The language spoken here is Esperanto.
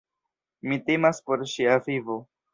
Mi timas por ŝia vivo.